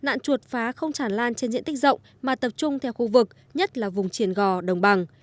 nạn chuột phá không chản lan trên diện tích rộng mà tập trung theo khu vực nhất là vùng triển gò đồng bằng